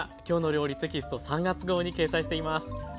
「きょうの料理」テキスト３月号に掲載しています。